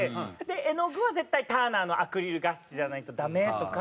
絵の具は絶対ターナーのアクリルガッシュじゃないとダメとか。